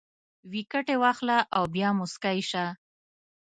ویکټې واخله او بیا موسکی شه